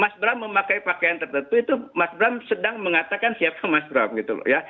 mas bram memakai pakaian tertentu itu mas bram sedang mengatakan siapa mas bram gitu loh ya